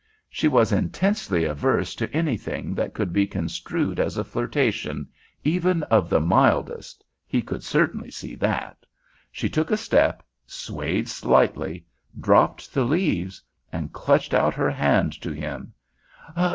She was intensely averse to anything that could be construed as a flirtation, even of the mildest, he could certainly see that. She took a step, swayed slightly, dropped the leaves, and clutched out her hand to him.